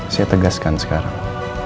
saya tegaskan sekarang